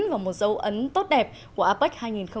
và một dấu ấn tốt đẹp của apec hai nghìn một mươi bảy